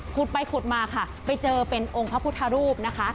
ขุดไปขุดมาค่ะไปเจอเป็นองค์พระพุทธรูปนะคะ